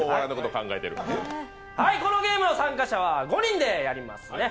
このゲームの参加者は５人でやりますね。